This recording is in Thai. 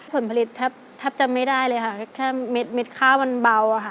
ผลผลิตแทบแทบจะไม่ได้เลยค่ะแค่เม็ดเม็ดข้ามันเบาค่ะ